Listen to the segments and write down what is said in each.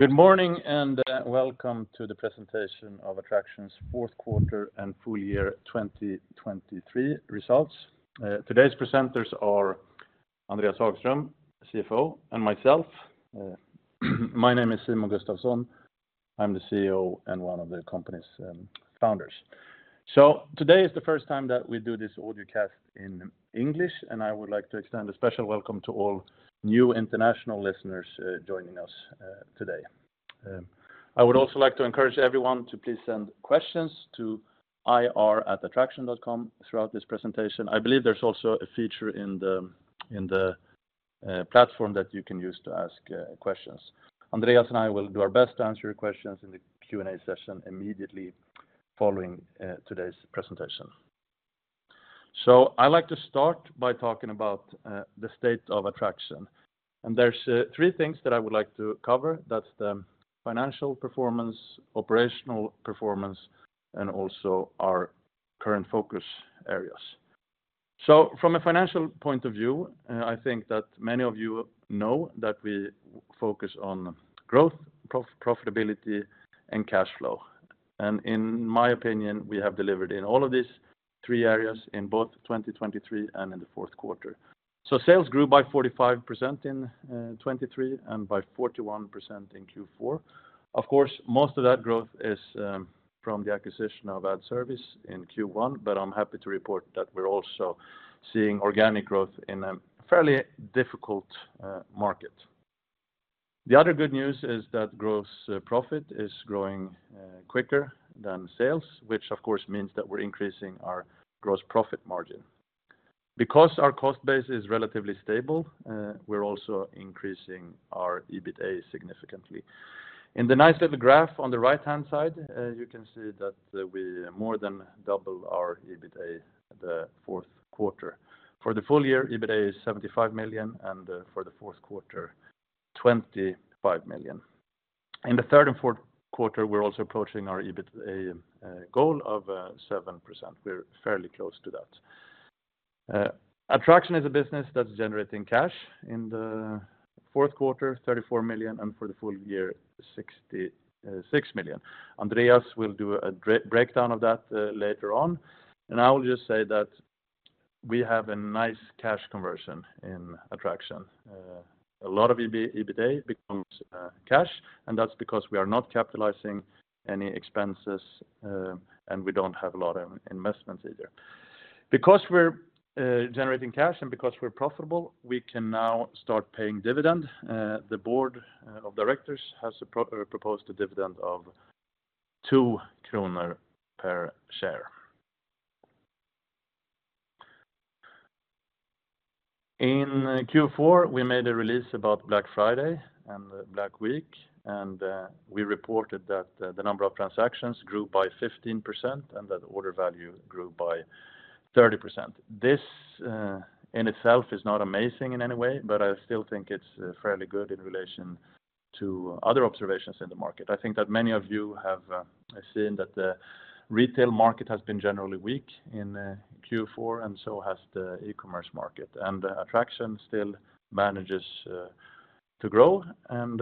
Good morning, and welcome to the presentation of Adtraction's fourth quarter and full year 2023 results. Today's presenters are Andreas Hagström, CFO, and myself. My name is Simon Gustafson. I'm the CEO and one of the company's founders. So today is the first time that we do this audio cast in English, and I would like to extend a special welcome to all new international listeners joining us today. I would also like to encourage everyone to please send questions to ir@adtraction.com throughout this presentation. I believe there's also a feature in the platform that you can use to ask questions. Andreas and I will do our best to answer your questions in the Q&A session immediately following today's presentation. So I'd like to start by talking about the state of Adtraction, and there's three things that I would like to cover. That's the financial performance, operational performance, and also our current focus areas. So from a financial point of view, I think that many of you know that we focus on growth, profitability, and cash flow. And in my opinion, we have delivered in all of these three areas in both 2023 and in the fourth quarter. So sales grew by 45% in 2023 and by 41% in Q4. Of course, most of that growth is from the acquisition of Adservice in Q1, but I'm happy to report that we're also seeing organic growth in a fairly difficult market. The other good news is that gross profit is growing quicker than sales, which of course means that we're increasing our gross profit margin. Because our cost base is relatively stable, we're also increasing our EBITA significantly. In the nice little graph on the right-hand side, you can see that we more than double our EBITA the fourth quarter. For the full year, EBITA is 75 million, and for the fourth quarter, 25 million. In the third and fourth quarter, we're also approaching our EBITA goal of 7%. We're fairly close to that. Adtraction is a business that's generating cash. In the fourth quarter, 34 million, and for the full year, 66 million. Andreas will do a breakdown of that later on, and I will just say that we have a nice cash conversion in Adtraction. A lot of EBITA becomes cash, and that's because we are not capitalizing any expenses, and we don't have a lot of investments either. Because we're generating cash and because we're profitable, we can now start paying dividend. The board of directors has proposed a dividend of two SEK per share. In Q4, we made a release about Black Friday and Black Week, and we reported that the number of transactions grew by 15%, and that order value grew by 30%. This in itself is not amazing in any way, but I still think it's fairly good in relation to other observations in the market. I think that many of you have seen that the retail market has been generally weak in Q4, and so has the e-commerce market, and Adtraction still manages to grow, and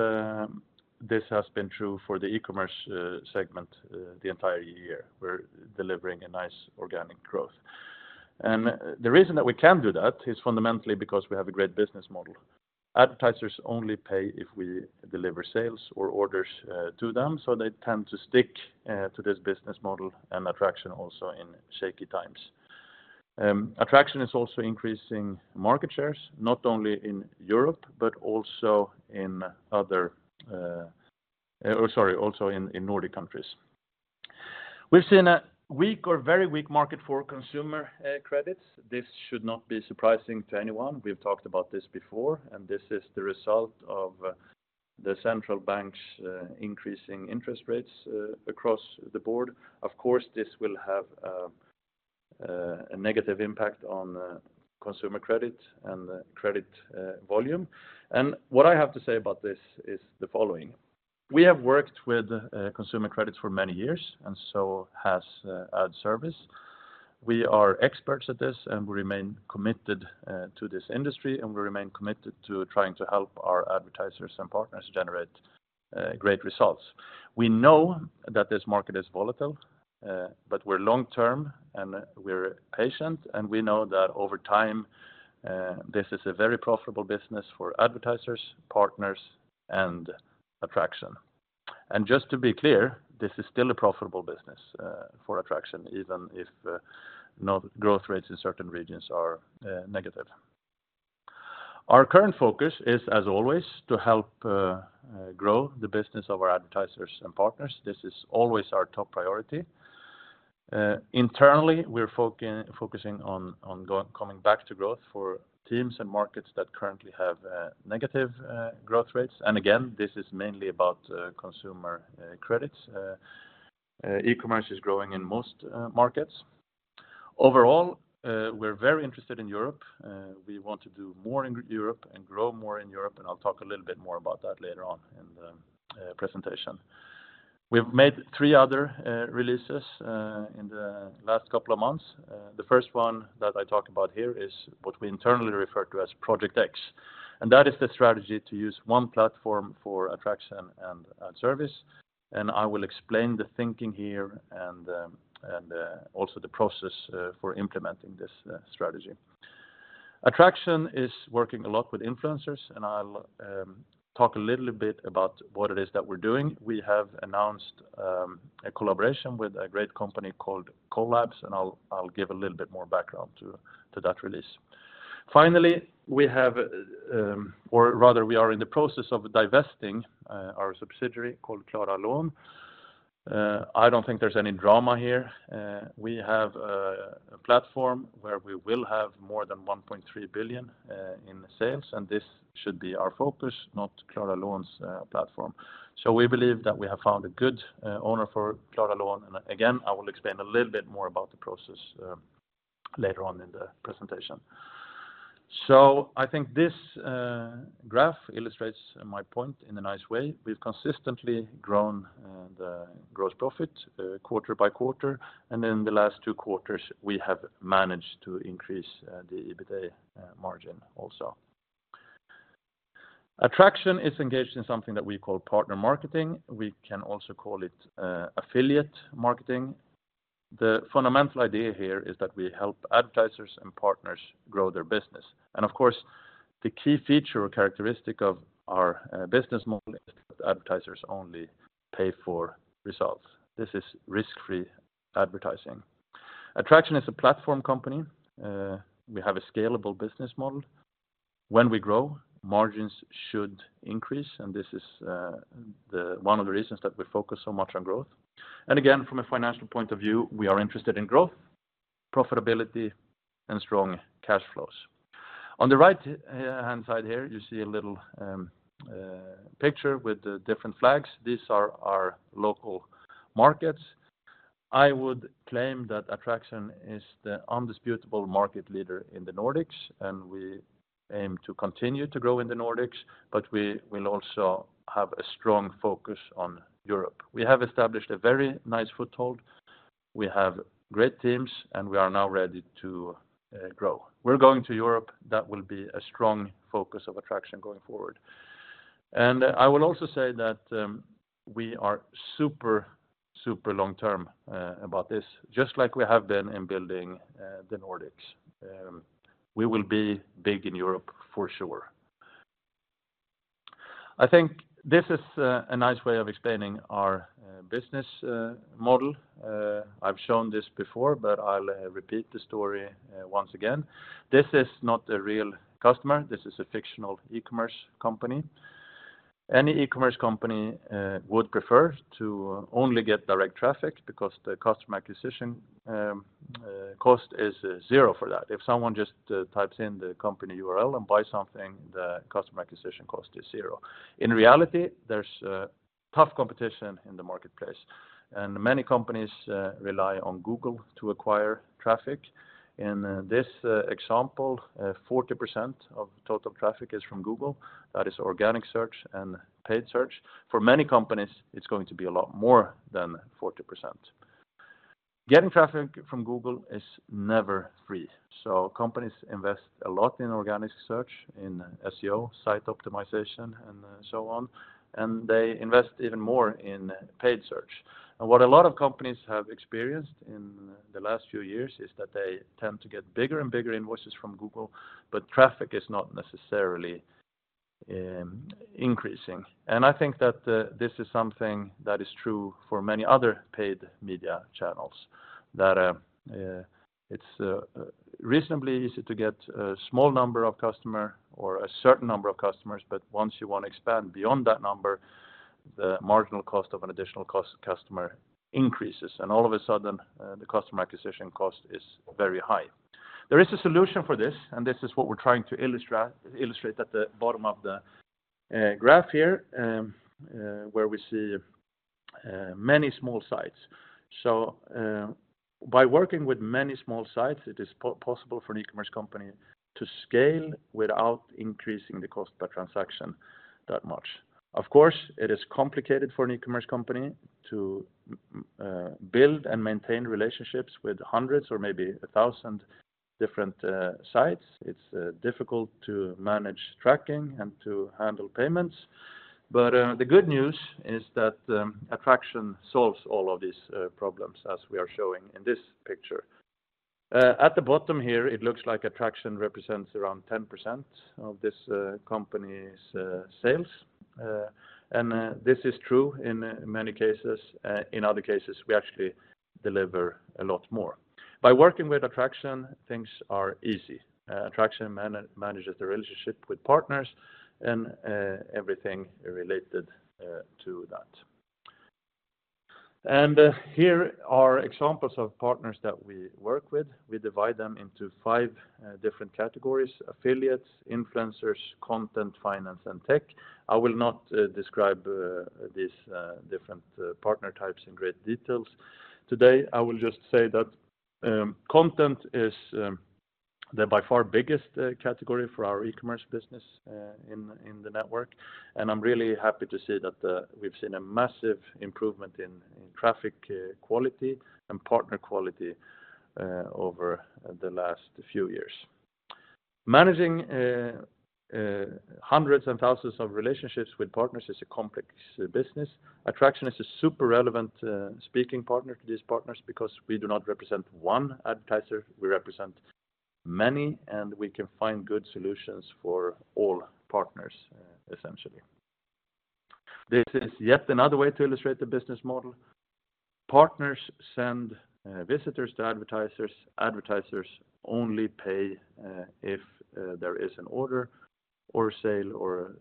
this has been true for the e-commerce segment the entire year. We're delivering a nice organic growth. And the reason that we can do that is fundamentally because we have a great business model. Advertisers only pay if we deliver sales or orders to them, so they tend to stick to this business model and Adtraction also in shaky times. Adtraction is also increasing market shares, not only in Europe, but also in Nordic countries. We've seen a weak or very weak market for consumer credits. This should not be surprising to anyone. We've talked about this before, and this is the result of the central bank's increasing interest rates across the board. Of course, this will have a negative impact on consumer credit and the credit volume. What I have to say about this is the following: We have worked with consumer credits for many years, and so has Adservice. We are experts at this, and we remain committed to this industry, and we remain committed to trying to help our advertisers and partners generate great results. We know that this market is volatile, but we're long term, and we're patient, and we know that over time this is a very profitable business for advertisers, partners, and Adtraction. Just to be clear, this is still a profitable business for Adtraction, even if no growth rates in certain regions are negative. Our current focus is, as always, to help grow the business of our advertisers and partners. This is always our top priority. Internally, we're focusing on coming back to growth for teams and markets that currently have negative growth rates. And again, this is mainly about consumer credits. E-commerce is growing in most markets. Overall, we're very interested in Europe. We want to do more in Europe and grow more in Europe, and I'll talk a little bit more about that later on in the presentation. We've made three other releases in the last couple of months. The first one that I talk about here is what we internally refer to as Project X, and that is the strategy to use one platform for Adtraction and Adservice. I will explain the thinking here, and also the process for implementing this strategy. Adtraction is working a lot with influencers, and I'll talk a little bit about what it is that we're doing. We have announced a collaboration with a great company called Collabs, and I'll give a little bit more background to that release. Finally, we have, or rather we are in the process of divesting our subsidiary called Klara Lån. I don't think there's any drama here. We have a platform where we will have more than 1.3 billion in sales, and this should be our focus, not Klara Lån's platform. So we believe that we have found a good owner for Klara Lån, and again, I will explain a little bit more about the process later on in the presentation. So I think this graph illustrates my point in a nice way. We've consistently grown the gross profit quarter by quarter, and in the last two quarters, we have managed to increase the EBITA margin also. Adtraction is engaged in something that we call partner marketing. We can also call it affiliate marketing. The fundamental idea here is that we help advertisers and partners grow their business. Of course, the key feature or characteristic of our business model is that advertisers only pay for results. This is risk-free advertising. Adtraction is a platform company. We have a scalable business model. When we grow, margins should increase, and this is the one of the reasons that we focus so much on growth. And again, from a financial point of view, we are interested in growth, profitability, and strong cash flows. On the right hand side here, you see a little picture with the different flags. These are our local markets. I would claim that Adtraction is the indisputable market leader in the Nordics, and we aim to continue to grow in the Nordics, but we will also have a strong focus on Europe. We have established a very nice foothold. We have great teams, and we are now ready to grow. We're going to Europe. That will be a strong focus of Adtraction going forward. And I will also say that we are super, super long-term about this, just like we have been in building the Nordics. We will be big in Europe for sure. I think this is a nice way of explaining our business model. I've shown this before, but I'll repeat the story once again. This is not a real customer. This is a fictional e-commerce company. Any e-commerce company would prefer to only get direct traffic because the customer acquisition cost is zero for that. If someone just types in the company URL and buys something, the customer acquisition cost is zero. In reality, there's tough competition in the marketplace, and many companies rely on Google to acquire traffic. In this example, 40% of total traffic is from Google. That is organic search and paid search. For many companies, it's going to be a lot more than 40%. Getting traffic from Google is never free, so companies invest a lot in organic search, in SEO, site optimization, and so on, and they invest even more in paid search. And what a lot of companies have experienced in the last few years is that they tend to get bigger and bigger invoices from Google, but traffic is not necessarily increasing. And I think that, this is something that is true for many other paid media channels, that, it's, reasonably easy to get a small number of customer or a certain number of customers, but once you want to expand beyond that number, the marginal cost of an additional customer increases, and all of a sudden, the customer acquisition cost is very high. There is a solution for this, and this is what we're trying to illustrate at the bottom of the, graph here, where we see, many small sites. So, by working with many small sites, it is possible for an e-commerce company to scale without increasing the cost per transaction that much. Of course, it is complicated for an e-commerce company to build and maintain relationships with hundreds or maybe a thousand different sites. It's difficult to manage tracking and to handle payments, but the good news is that Adtraction solves all of these problems, as we are showing in this picture. At the bottom here, it looks like Adtraction represents around 10% of this company's sales, and this is true in many cases. In other cases, we actually deliver a lot more. By working with Adtraction, things are easy. Adtraction manages the relationship with partners and everything related to that. Here are examples of partners that we work with. We divide them into five different categories: affiliates, influencers, content, finance, and tech. I will not describe these different partner types in great details today. I will just say that content is They're by far biggest category for our e-commerce business in the network, and I'm really happy to see that we've seen a massive improvement in traffic quality and partner quality over the last few years. Managing hundreds and thousands of relationships with partners is a complex business. Adtraction is a super relevant speaking partner to these partners because we do not represent one advertiser, we represent many, and we can find good solutions for all partners essentially. This is yet another way to illustrate the business model. Partners send visitors to advertisers. Advertisers only pay if there is an order or a sale or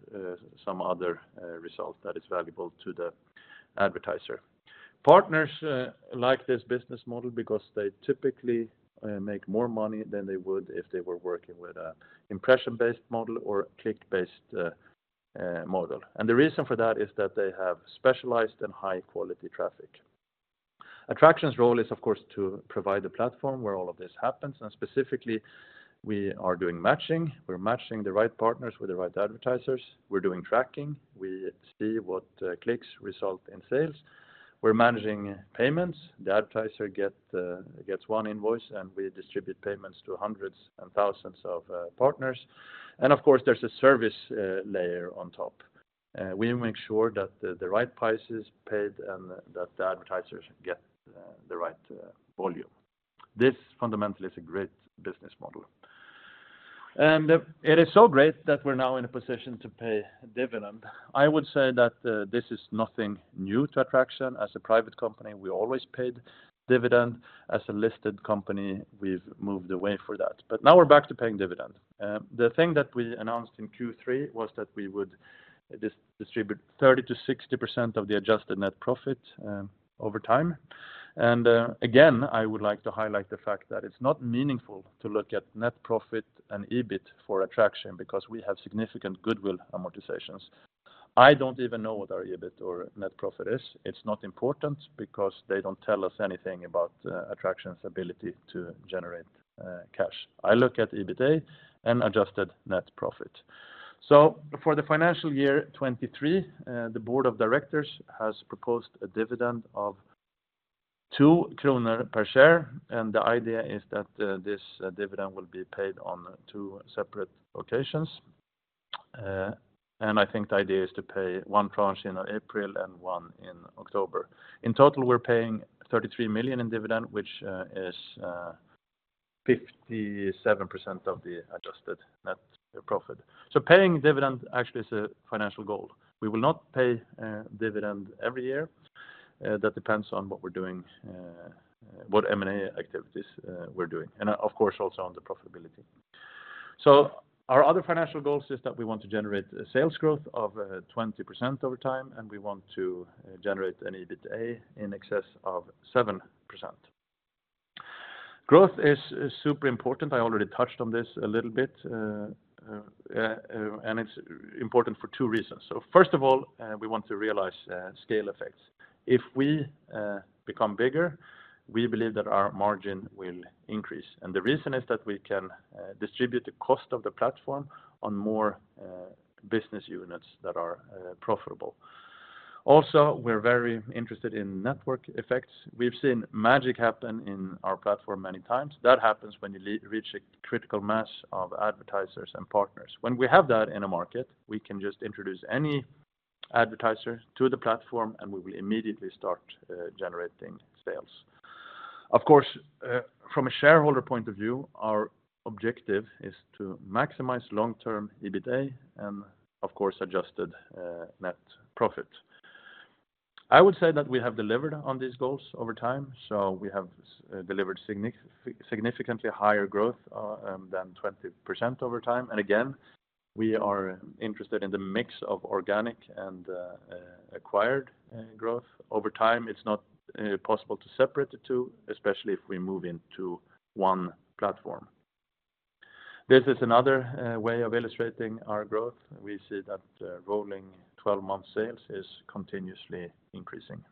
some other result that is valuable to the advertiser. Partners like this business model because they typically make more money than they would if they were working with a impression-based model or a click-based model. The reason for that is that they have specialized and high quality traffic. Adtraction's role is, of course, to provide a platform where all of this happens, and specifically, we are doing matching. We're matching the right partners with the right advertisers. We're doing tracking. We see what clicks result in sales. We're managing payments. The advertiser gets one invoice, and we distribute payments to hundreds and thousands of partners, and of course, there's a service layer on top. We make sure that the right price is paid and that the advertisers get the right volume. This fundamentally is a great business model. It is so great that we're now in a position to pay a dividend. I would say that this is nothing new to Adtraction. As a private company, we always paid dividend. As a listed company, we've moved away from that, but now we're back to paying dividend. The thing that we announced in Q3 was that we would distribute 30%-60% of the adjusted net profit over time, and again, I would like to highlight the fact that it's not meaningful to look at net profit and EBIT for Adtraction because we have significant goodwill amortizations. I don't even know what our EBIT or net profit is. It's not important because they don't tell us anything about Adtraction's ability to generate cash. I look at EBITA and adjusted net profit. So for the financial year 2023, the board of directors has proposed a dividend of two SEK per share, and the idea is that this dividend will be paid on two separate occasions. I think the idea is to pay one tranche in April and one in October. In total, we're paying 33 million in dividend, which is 57% of the adjusted net profit. So paying dividend actually is a financial goal. We will not pay dividend every year. That depends on what we're doing, what M&A activities we're doing, and of course, also on the profitability. So our other financial goals is that we want to generate a sales growth of 20% over time, and we want to generate an EBITA in excess of 7%. Growth is super important. I already touched on this a little bit, and it's important for two reasons. So first of all, we want to realize scale effects. If we become bigger, we believe that our margin will increase, and the reason is that we can distribute the cost of the platform on more business units that are profitable. Also, we're very interested in network effects. We've seen magic happen in our platform many times. That happens when you reach a critical mass of advertisers and partners. When we have that in a market, we can just introduce any advertiser to the platform, and we will immediately start generating sales. Of course, from a shareholder point of view, our objective is to maximize long-term EBITA and, of course, adjusted net profit. I would say that we have delivered on these goals over time, so we have delivered significantly higher growth than 20% over time, and again, we are interested in the mix of organic and acquired growth over time. It's not possible to separate the two, especially if we move into one platform. This is another way of illustrating our growth. We see that rolling 12-month sales is continuously increasing.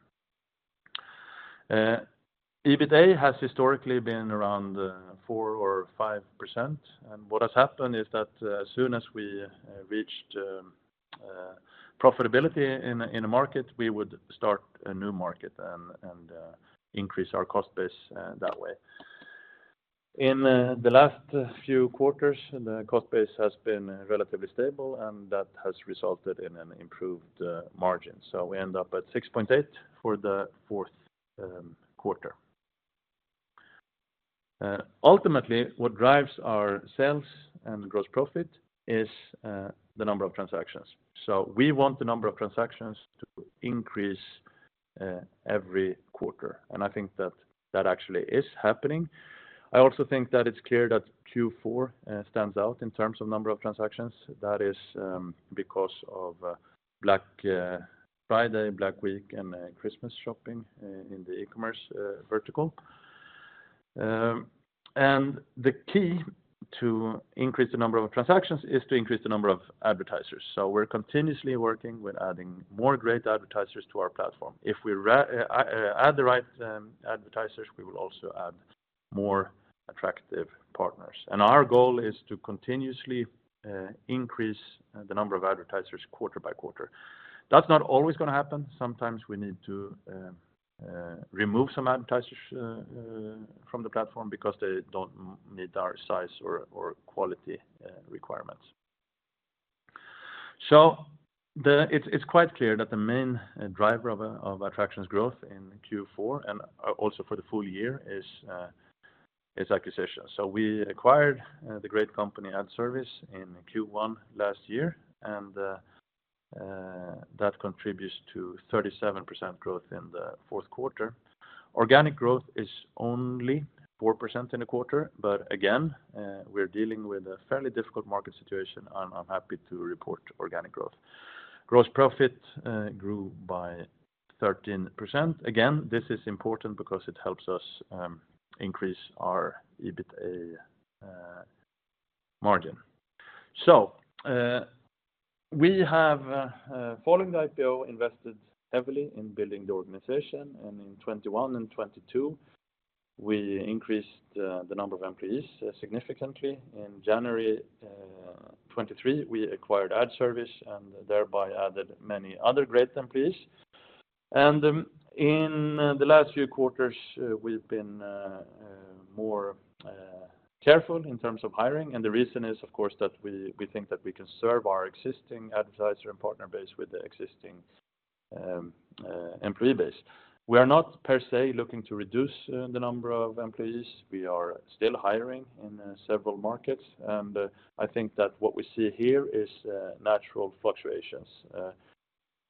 EBITA has historically been around 4% or 5%, and what has happened is that as soon as we reached profitability in a market, we would start a new market and increase our cost base that way. In the last few quarters, the cost base has been relatively stable, and that has resulted in an improved margin, so we end up at 6.8% for the fourth quarter. Ultimately, what drives our sales and gross profit is the number of transactions, so we want the number of transactions to increase every quarter, and I think that that actually is happening. I also think that it's clear that Q4 stands out in terms of number of transactions. That is, because of Black Friday, Black Week, and Christmas shopping in the e-commerce vertical. And the key to increase the number of transactions is to increase the number of advertisers, so we're continuously working with adding more great advertisers to our platform. If we add the right advertisers, we will also add more attractive partners. And our goal is to continuously increase the number of advertisers quarter by quarter. That's not always going to happen. Sometimes we need to remove some advertisers from the platform because they don't meet our size or quality requirements. So it's quite clear that the main driver of Adtraction's growth in Q4, and also for the full year, is acquisition. So we acquired the great company Adservice in Q1 last year, and that contributes to 37% growth in the fourth quarter. Organic growth is only 4% in the quarter, but again, we're dealing with a fairly difficult market situation, and I'm happy to report organic growth. Gross profit grew by 13%. Again, this is important because it helps us increase our EBITA margin. So we have following the IPO, invested heavily in building the organization, and in 2021 and 2022, we increased the number of employees significantly. In January 2023, we acquired Adservice, and thereby added many other great employees. In the last few quarters, we've been more careful in terms of hiring. And the reason is, of course, that we, we think that we can serve our existing advertiser and partner base with the existing employee base. We are not, per se, looking to reduce the number of employees. We are still hiring in several markets, and I think that what we see here is natural fluctuations.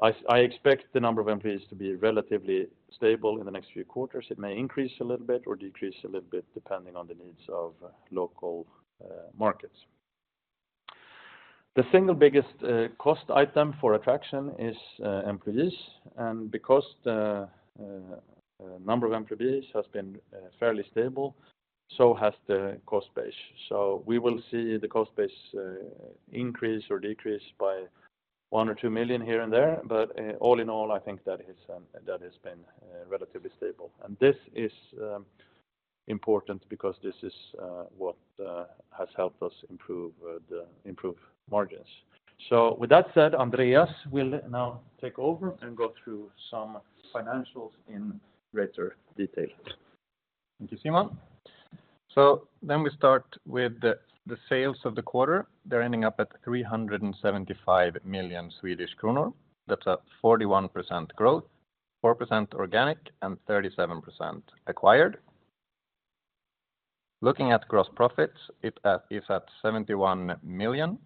I expect the number of employees to be relatively stable in the next few quarters. It may increase a little bit or decrease a little bit, depending on the needs of local markets. The single biggest cost item for Adtraction is employees, and because the number of employees has been fairly stable, so has the cost base. We will see the cost base increase or decrease by 1 million or 2 million here and there, but all in all, I think that has been relatively stable. This is important because this is what has helped us improve the margins. With that said, Andreas will now take over and go through some financials in greater detail. Thank you, Simon. So then we start with the sales of the quarter. They're ending up at 375 million Swedish kronor. That's a 41% growth, 4% organic, and 37% acquired. Looking at gross profits, it is at 71 million,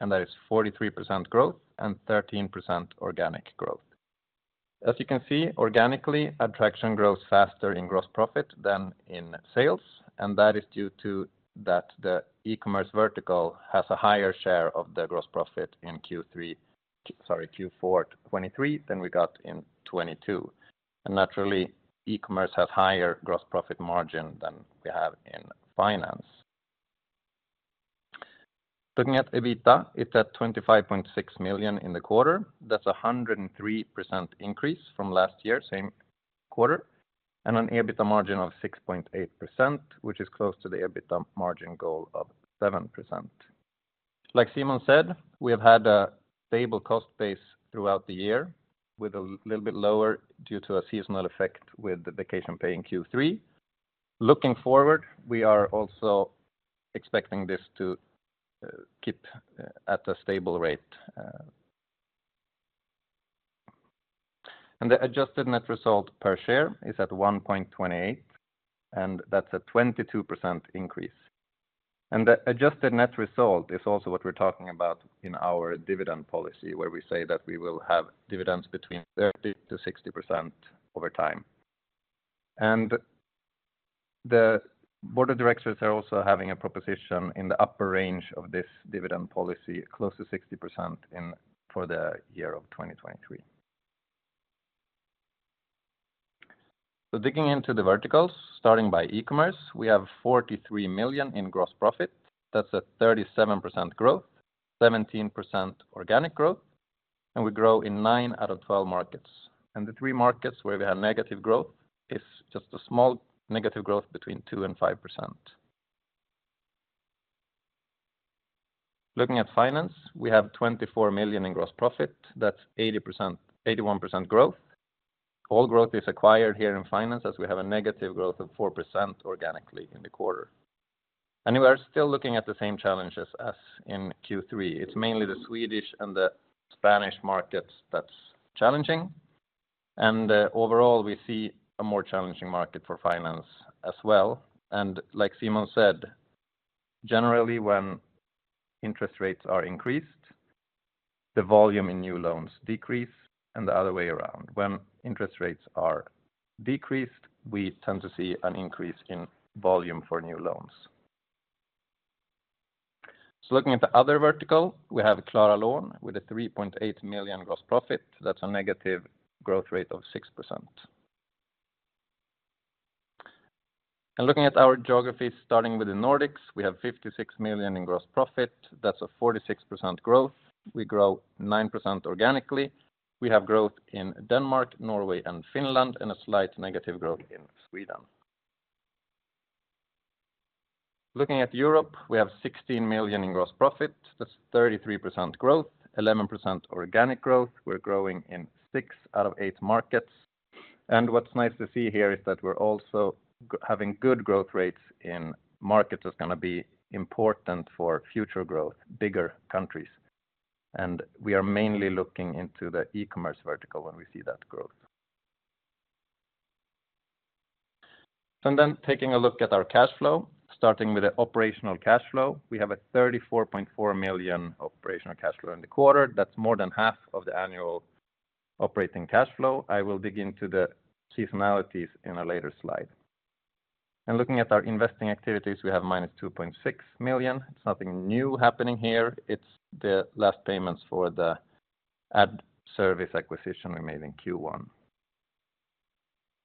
and that is 43% growth and 13% organic growth. As you can see, organically, Adtraction grows faster in gross profit than in sales, and that is due to that the e-commerce vertical has a higher share of the gross profit in Q3, sorry, Q4 2023 than we got in 2022. And naturally, e-commerce has higher gross profit margin than we have in finance. Looking at EBITA, it's at 25.6 million in the quarter. That's a 103% increase from last year, same quarter, and an EBITA margin of 6.8%, which is close to the EBITA margin goal of 7%. Like Simon said, we have had a stable cost base throughout the year, with a little bit lower due to a seasonal effect with the vacation pay in Q3. Looking forward, we are also expecting this to keep at a stable rate. And the adjusted net result per share is at 1.28%, and that's a 22% increase. And the adjusted net result is also what we're talking about in our dividend policy, where we say that we will have dividends between 30%-60% over time. The board of directors are also having a proposition in the upper range of this dividend policy, close to 60% in, for the year of 2023. So digging into the verticals, starting by e-commerce, we have 43 million in gross profit. That's a 37% growth, 17% organic growth, and we grow in nine out of 12 markets. And the three markets where we have negative growth is just a small negative growth between 2% and 5%. Looking at finance, we have 24 million in gross profit. That's 80%-81% growth. All growth is acquired here in finance, as we have a negative growth of 4% organically in the quarter. And we are still looking at the same challenges as in Q3. It's mainly the Swedish and the Spanish markets that's challenging. Overall, we see a more challenging market for finance as well. Like Simon said, generally, when interest rates are increased, the volume in new loans decrease, and the other way around. When interest rates are decreased, we tend to see an increase in volume for new loans. Looking at the other vertical, we have Klara Lån with 3.8 million gross profit. That's a negative growth rate of 6%. Looking at our geography, starting with the Nordics, we have 56 million in gross profit. That's a 46% growth. We grow 9% organically. We have growth in Denmark, Norway, and Finland, and a slight negative growth in Sweden. Looking at Europe, we have 16 million in gross profit. That's 33% growth, 11% organic growth. We're growing in six out of eight markets. What's nice to see here is that we're also having good growth rates in markets that's going to be important for future growth, bigger countries. We are mainly looking into the e-commerce vertical when we see that growth. Taking a look at our cash flow, starting with the operational cash flow, we have a 34.4 million operational cash flow in the quarter. That's more than half of the annual operating cash flow. I will dig into the seasonalities in a later slide. Looking at our investing activities, we have -2.6 million. It's nothing new happening here. It's the last payments for the Adservice acquisition we made in Q1.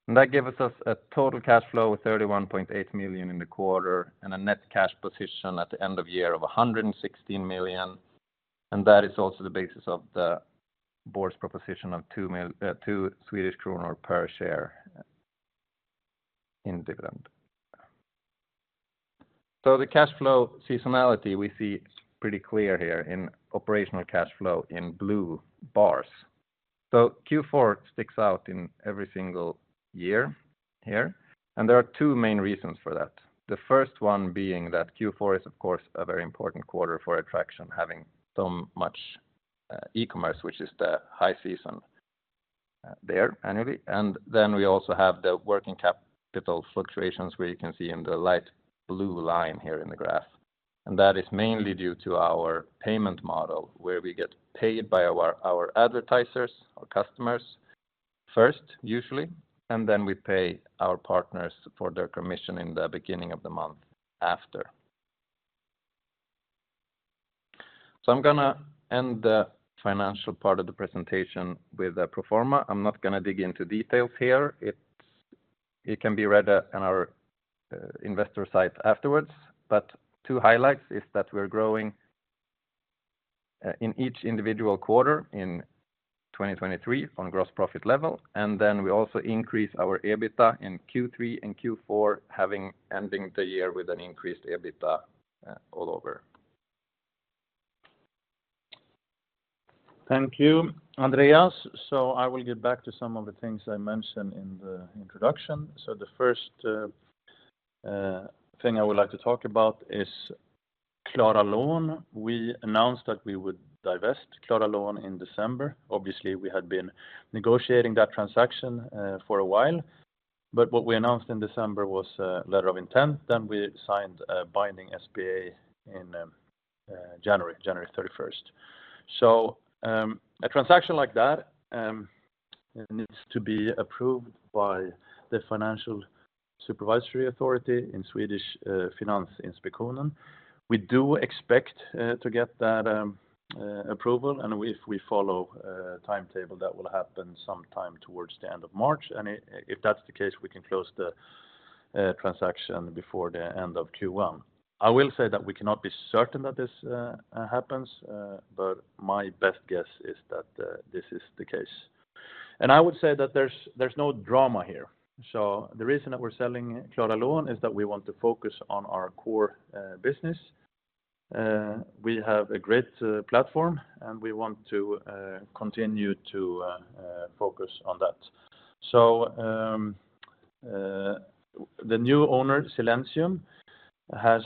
That gives us a total cash flow of 31.8 million in the quarter, and a net cash position at the end of year of 116 million, and that is also the basis of the board's proposition of 2 Swedish kronor per share in dividend. So the cash flow seasonality, we see it's pretty clear here in operational cash flow in blue bars. So Q4 sticks out in every single year here, and there are two main reasons for that. The first one being that Q4 is, of course, a very important quarter for Adtraction, having so much, e-commerce, which is the high season, there annually. And then we also have the working capital fluctuations, where you can see in the light blue line here in the graph. And that is mainly due to our payment model, where we get paid by our advertisers, our customers, first, usually, and then we pay our partners for their commission in the beginning of the month after. So I'm gonna end the financial part of the presentation with a pro forma. I'm not going to dig into details here. It can be read on our investor site afterwards. But two highlights is that we're growing in each individual quarter in 2023 on gross profit level, and then we also increase our EBITDA in Q3 and Q4, ending the year with an increased EBITDA all over. Thank you, Andreas. So I will get back to some of the things I mentioned in the introduction. So the first thing I would like to talk about is Klara Lån. We announced that we would divest Klara Lån in December. Obviously, we had been negotiating that transaction for a while, but what we announced in December was a letter of intent, then we signed a binding SPA in January 31st. So, a transaction like that needs to be approved by Finansinspektionen. We do expect to get that approval, and if we follow a timetable, that will happen sometime towards the end of March. And if that's the case, we can close the transaction before the end of Q1. I will say that we cannot be certain that this happens, but my best guess is that this is the case. And I would say that there's no drama here. So the reason that we're selling Klara Lån is that we want to focus on our core business. We have a great platform, and we want to focus on that. So the new owner, Silentium, has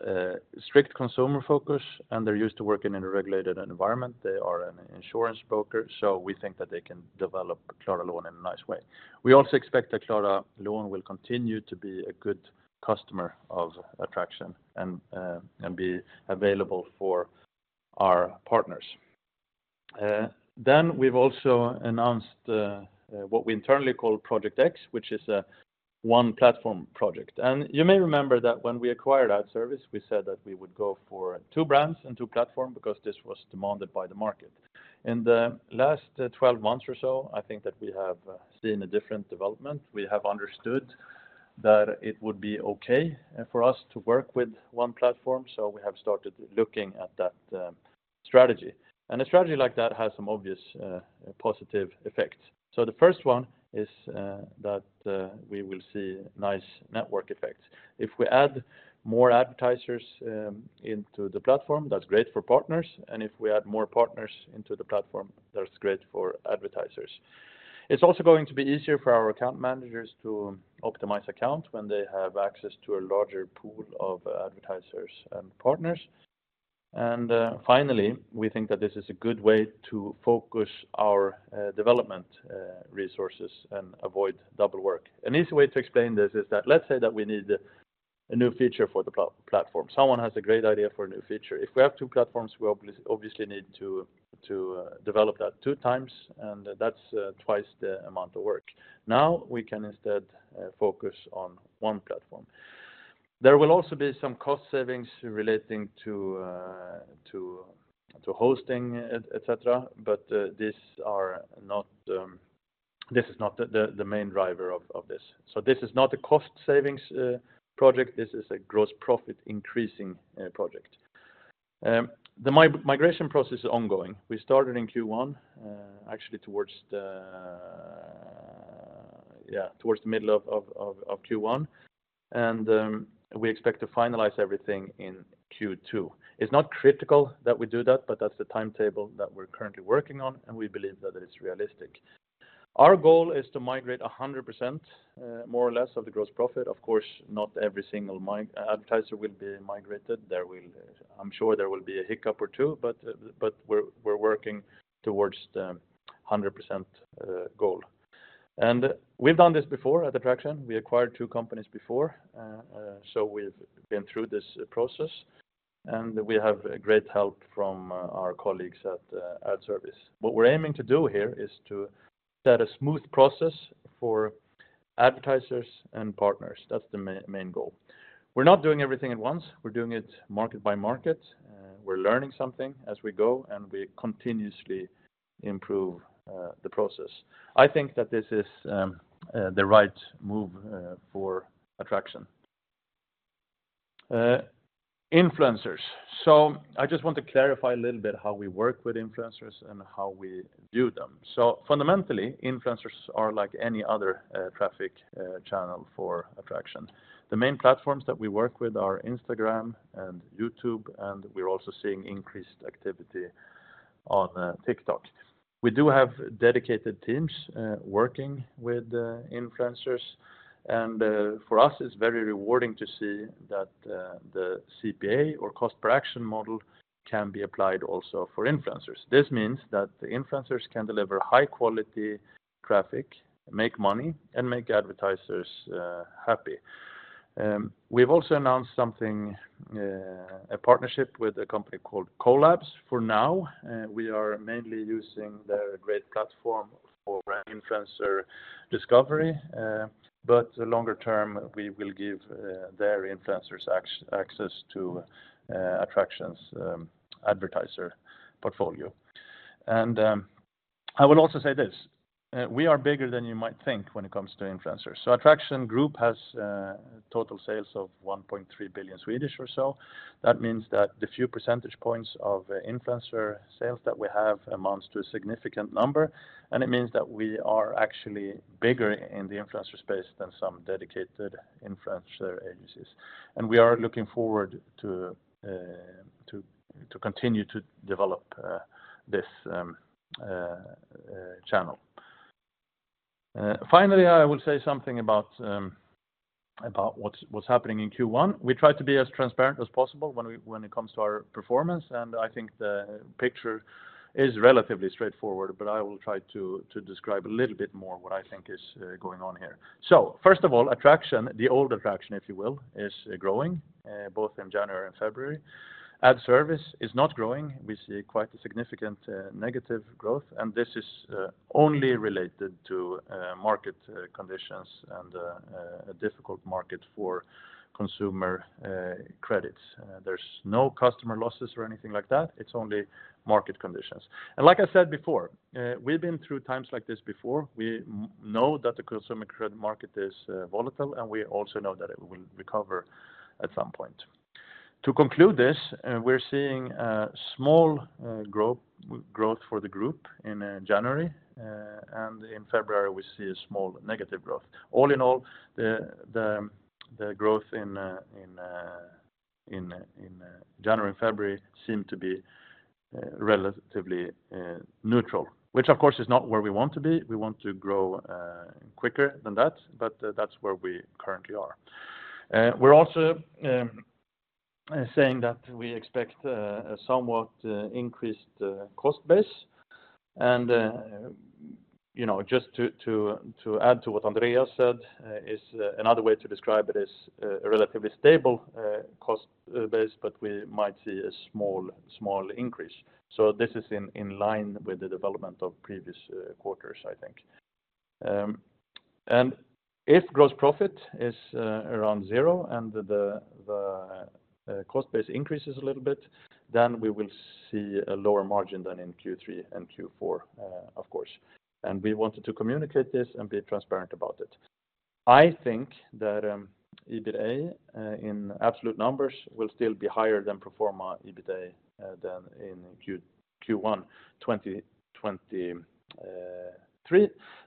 a strict consumer focus, and they're used to working in a regulated environment. They are an insurance broker, so we think that they can develop Klara Lån in a nice way. We also expect that Klara Lån will continue to be a good customer of Adtraction and be available for our partners. Then we've also announced what we internally call Project X, which is a one-platform project. You may remember that when we acquired Adservice, we said that we would go for two brands and two platform because this was demanded by the market. In the last 12 months or so, I think that we have seen a different development. We have understood that it would be okay for us to work with one platform, so we have started looking at that strategy. A strategy like that has some obvious positive effects. The first one is that we will see nice network effects. If we add more advertisers into the platform, that's great for partners, and if we add more partners into the platform, that's great for advertisers. It's also going to be easier for our account managers to optimize accounts when they have access to a larger pool of advertisers and partners. Finally, we think that this is a good way to focus our development resources and avoid double work. An easy way to explain this is that, let's say that we need a new feature for the platform. Someone has a great idea for a new feature. If we have two platforms, we obviously need to develop that two times, and that's twice the amount of work. Now, we can instead focus on one platform. There will also be some cost savings relating to hosting, et cetera, but these are not; this is not the main driver of this. So this is not a cost savings project. This is a gross profit increasing project. The migration process is ongoing. We started in Q1, actually towards the middle of Q1, and we expect to finalize everything in Q2. It's not critical that we do that, but that's the timetable that we're currently working on, and we believe that it is realistic. Our goal is to migrate 100%, more or less, of the gross profit. Of course, not every single advertiser will be migrated. There will be a hiccup or two, but we're working towards the 100% goal. And we've done this before at Adtraction. We acquired two companies before, so we've been through this process, and we have great help from our colleagues at Adservice. What we're aiming to do here is to set a smooth process for advertisers and partners. That's the main goal. We're not doing everything at once. We're doing it market by market. We're learning something as we go, and we continuously improve the process. I think that this is the right move for Adtraction. Influencers. So I just want to clarify a little bit how we work with influencers and how we view them. So fundamentally, influencers are like any other traffic channel for Adtraction. The main platforms that we work with are Instagram and YouTube, and we're also seeing increased activity on TikTok. We do have dedicated teams working with influencers, and for us, it's very rewarding to see that the CPA or cost per action model can be applied also for influencers. This means that the influencers can deliver high-quality traffic, make money, and make advertisers happy. We've also announced something, a partnership with a company called Collabs. For now, we are mainly using their great platform for brand influencer discovery, but longer term, we will give their influencers access to Adtraction's advertiser portfolio. And, I will also say this, we are bigger than you might think when it comes to influencers. So Adtraction Group has total sales of 1.3 billion or so. That means that the few percentage points of influencer sales that we have amounts to a significant number, and it means that we are actually bigger in the influencer space than some dedicated influencer agencies. And we are looking forward to continue to develop this channel. Finally, I will say something about what's happening in Q1. We try to be as transparent as possible when it comes to our performance, and I think the picture is relatively straightforward, but I will try to describe a little bit more what I think is going on here. So first of all, Adtraction, the old Adtraction, if you will, is growing both in January and February. Adservice is not growing. We see quite a significant negative growth, and this is only related to market conditions and a difficult market for consumer credits. There's no customer losses or anything like that. It's only market conditions. And like I said before, we've been through times like this before. We know that the consumer credit market is volatile, and we also know that it will recover at some point. To conclude this, we're seeing a small growth for the group in January and in February, we see a small negative growth. All in all, the growth in January and February seem to be relatively neutral, which of course is not where we want to be. We want to grow quicker than that, but that's where we currently are. We're also saying that we expect a somewhat increased cost base, and you know, just to add to what Andreas said, is another way to describe it is a relatively stable cost base, but we might see a small increase. So this is in line with the development of previous quarters, I think. And if gross profit is around zero, and the cost base increases a little bit, then we will see a lower margin than in Q3 and Q4, of course, and we wanted to communicate this and be transparent about it. I think that EBITDA, in absolute numbers, will still be higher than pro forma EBITDA than in Q1 2023,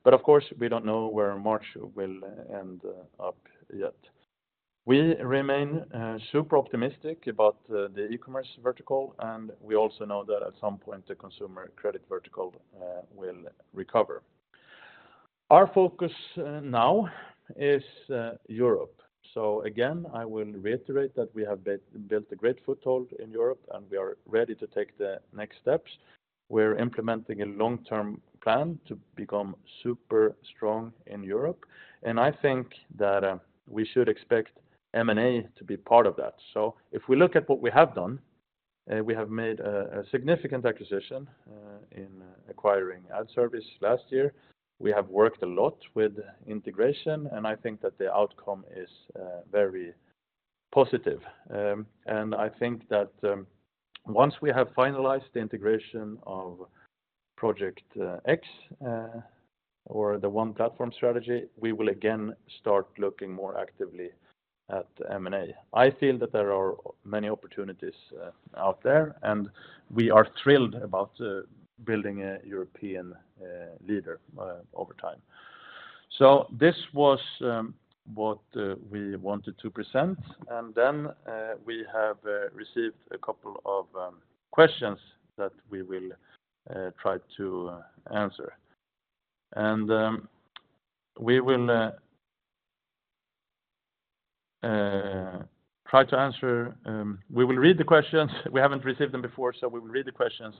but of course, we don't know where March will end up yet. We remain super optimistic about the e-commerce vertical, and we also know that at some point, the consumer credit vertical will recover. Our focus now is Europe. So again, I will reiterate that we have built a great foothold in Europe, and we are ready to take the next steps. We're implementing a long-term plan to become super strong in Europe, and I think that we should expect M&A to be part of that. So if we look at what we have done, we have made a significant acquisition in acquiring Adservice last year. We have worked a lot with integration, and I think that the outcome is very positive. And I think that once we have finalized the integration of Project X or the One Platform strategy, we will again start looking more actively at M&A. I feel that there are many opportunities out there, and we are thrilled about building a European leader over time. So this was what we wanted to present, and then we have received a couple of questions that we will try to answer. We will try to answer. We will read the questions. We haven't received them before, so we will read the questions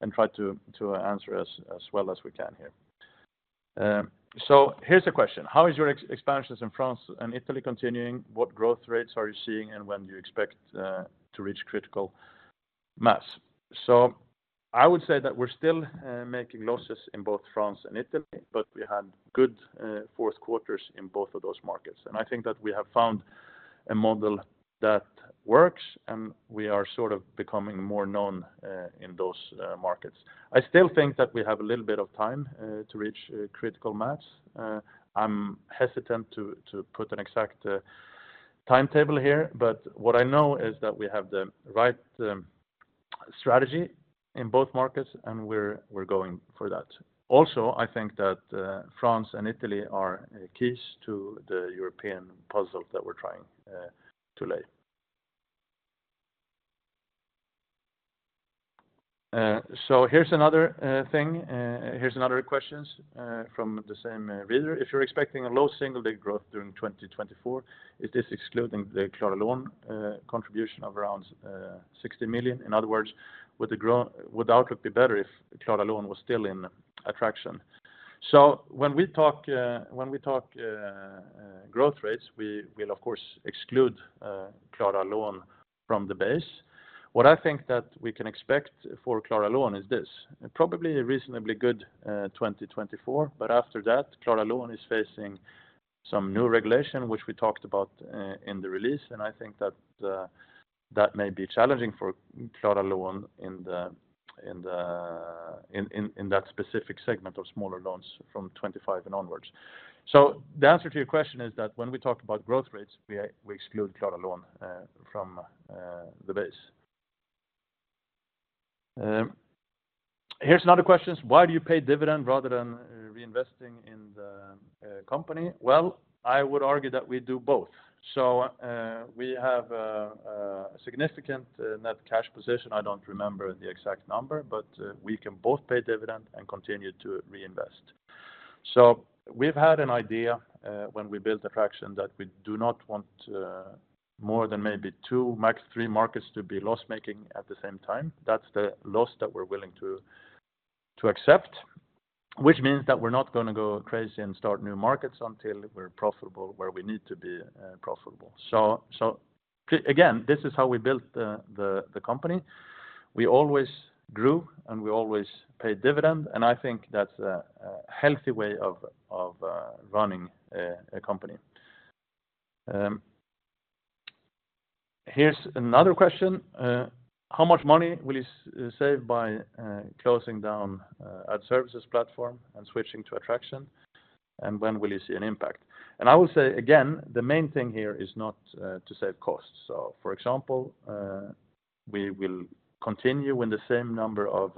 and try to answer as well as we can here. So here's a question: How is your expansions in France and Italy continuing? What growth rates are you seeing, and when do you expect to reach critical mass? So I would say that we're still making losses in both France and Italy, but we had good fourth quarters in both of those markets. And I think that we have found a model that works, and we are sort of becoming more known in those markets. I still think that we have a little bit of time to reach critical mass. I'm hesitant to put an exact timetable here, but what I know is that we have the right strategy in both markets, and we're going for that. Also, I think that France and Italy are keys to the European puzzle that we're trying to lay. So here's another thing, here's another questions from the same reader. If you're expecting a low single-digit growth during 2024, is this excluding the Klara Lån contribution of around 60 million? In other words, would the outlook be better if Klara Lån was still in Adtraction? So when we talk growth rates, we will of course exclude Klara Lån from the base. What I think that we can expect for Klara Lån is this: probably a reasonably good 2024, but after that, Klara Lån is facing some new regulation, which we talked about in the release, and I think that that may be challenging for Klara Lån in that specific segment of smaller loans from 2025 and onwards. So the answer to your question is that when we talk about growth rates, we exclude Klara Lån from the base. Here's another question: Why do you pay dividend rather than reinvesting in the company? Well, I would argue that we do both. So we have a significant net cash position. I don't remember the exact number, but we can both pay dividend and continue to reinvest. So we've had an idea, when we built Adtraction, that we do not want more than maybe two, max three markets to be loss-making at the same time. That's the loss that we're willing to accept, which means that we're not gonna go crazy and start new markets until we're profitable where we need to be, profitable. So again, this is how we built the company. We always grew, and we always paid dividend, and I think that's a healthy way of running a company. Here's another question: How much money will you save by closing down Adservice's platform and switching to Adtraction, and when will you see an impact? And I will say, again, the main thing here is not to save costs. So for example, we will continue with the same number of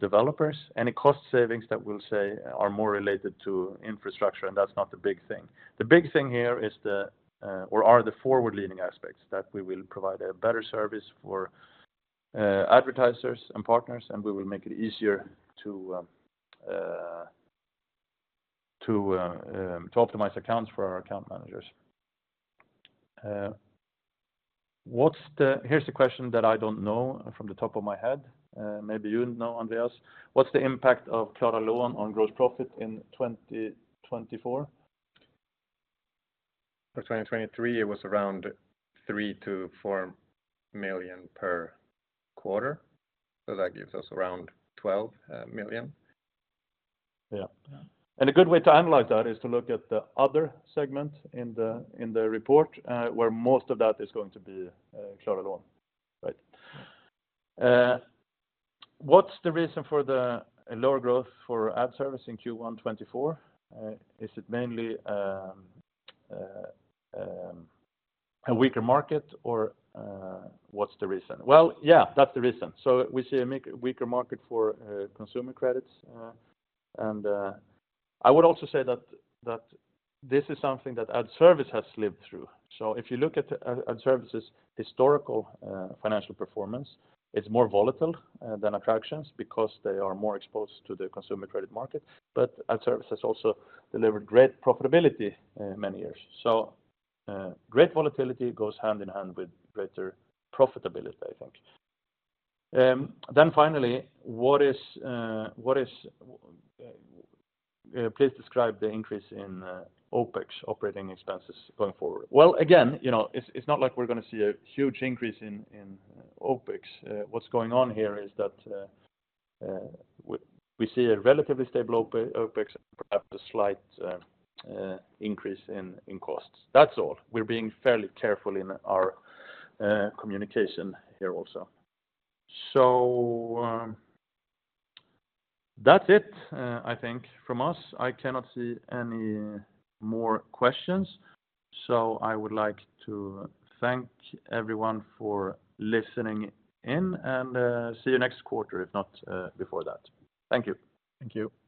developers. Any cost savings that we'll save are more related to infrastructure, and that's not the big thing. The big thing here is the or are the forward-leaning aspects, that we will provide a better service for advertisers and partners, and we will make it easier to to optimize accounts for our account managers. What's the... Here's the question that I don't know from the top of my head, maybe you'd know, Andreas. What's the impact of Klara Lån on gross profit in 2024? For 2023, it was around 3 million-4 million per quarter, so that gives us around 12 million. Yeah. And a good way to analyze that is to look at the other segment in the report, where most of that is going to be, Klara Lån, right? What's the reason for the lower growth for Adservice in Q1 2024? Is it mainly a weaker market, or what's the reason? Well, yeah, that's the reason. So we see a weaker market for consumer credits, and I would also say that this is something that Adservice has lived through. So if you look at Adservice's historical financial performance, it's more volatile than Adtraction's because they are more exposed to the consumer credit market. But Adservice has also delivered great profitability many years. So great volatility goes hand in hand with greater profitability, I think. Then finally, please describe the increase in OpEx, operating expenses, going forward. Well, again, you know, it's not like we're gonna see a huge increase in OpEx. What's going on here is that we see a relatively stable OpEx, perhaps a slight increase in costs. That's all. We're being fairly careful in our communication here also. So, that's it, I think from us. I cannot see any more questions, so I would like to thank everyone for listening in, and see you next quarter, if not before that. Thank you. Thank you.